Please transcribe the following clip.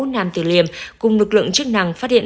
nam tử liêm cùng lực lượng chức năng phát hiện